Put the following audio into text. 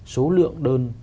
số lượng đơn